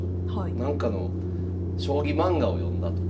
なんかの将棋漫画を読んだとか。